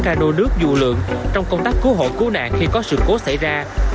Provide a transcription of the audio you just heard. ca đô nước dụ lượng trong công tác cứu hộ cứu nạn khi có sự cố xảy ra